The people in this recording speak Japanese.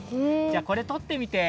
じゃあこれとってみて。